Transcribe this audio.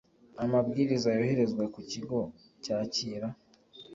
amabwiriza yoherezwa ku kigo cyakira